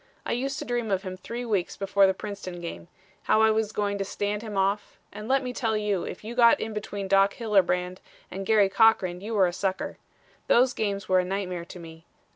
I used to dream of him three weeks before the Princeton game; how I was going to stand him off, and let me tell you if you got in between Doc Hillebrand and Garry Cochran you were a sucker. Those games were a nightmare to me.